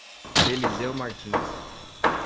Eliseu Martins